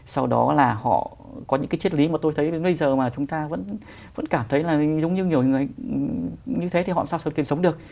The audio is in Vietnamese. sau đó là họ có những cái triết lý mà tôi thấy đến bây giờ mà chúng ta vẫn cảm thấy là giống như nhiều người như thế thì họ làm sao để sống được